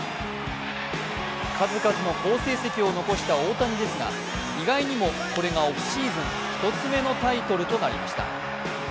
数々の好成績を残した大谷ですが、意外にもこれがオフシーズン１つ目のタイトルとなりました。